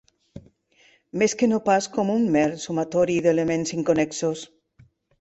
Més que no pas com un mer sumatori d'elements inconnexos.